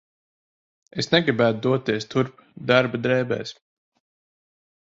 Es negribētu doties turp darba drēbēs.